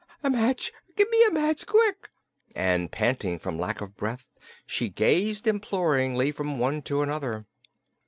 A match! Give me a match, quick!" and panting from lack of breath she gazed imploringly from one to another.